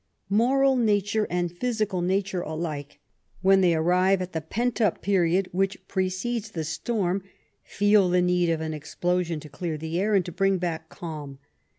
Moral nature and physical nature alike, when they arrive at the pent up period ■which precedes the storm, feel the need of an explosion to clear the air, and to bring back calm.